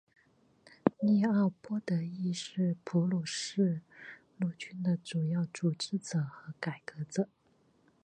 利奥波德亦是普鲁士陆军的主要组织者和改革者。